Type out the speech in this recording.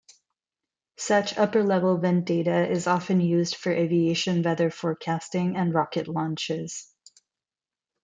Such upper-level wind data is often used for aviation weather forecasting and rocket launches.